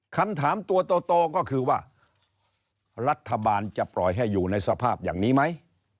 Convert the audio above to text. คำถามตัวโตก็คือว่ารัฐบาลจะปล่อยให้อยู่ในสภาพอย่างนี้ไหม